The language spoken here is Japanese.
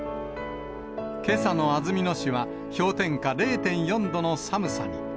けさの安曇野市は氷点下０．４度の寒さに。